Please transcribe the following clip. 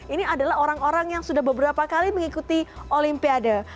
ini adalah orang orang yang sudah beberapa kali mengikuti olimpiade